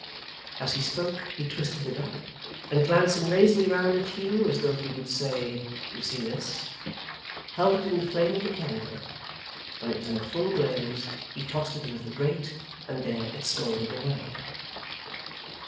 As he spoke, he twisted it up, and glancing lazily round at Hugh as though he would say 'You see this?' held it in the flame of the candle. When it was in a full blaze, he tossed it into the grate, and there it smouldered away.